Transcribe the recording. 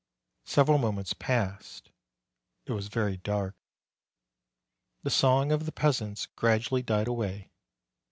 Several moments passed. It was very dark. The song of the peasants gradually died away.